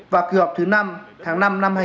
và kỳ họp thứ năm tháng năm năm hai nghìn hai mươi